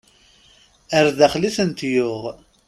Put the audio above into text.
Ar daxel i tent-yuɣ.